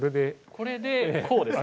これでこうですか？